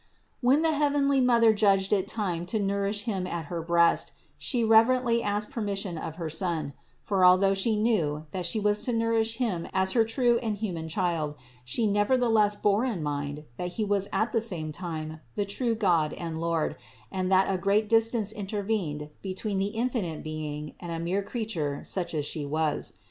507. When the heavenly Mother judged it time to nourish Him at her breast, She reverently asked permis sion of her Son; for although She knew, that She was to nourish Him as her true and human Child, She never theless bore in mind, that He was at the same time the true God and Lord and that a great distance intervened between the infinite Being and a mere creature such as She was.